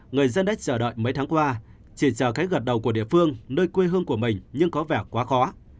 người dân đất chờ đợi mấy tháng qua chỉ chờ cách gạt đầu của địa phương nơi quê hương của mình nhưng có vẻ quá khó